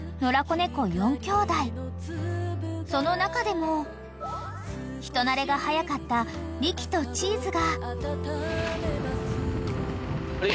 ［その中でも人なれが早かったリキとチーズが］